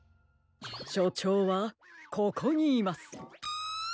しょちょうはここにいます！